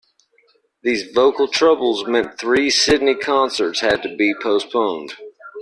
These vocal troubles meant three Sydney concerts had to be postponed.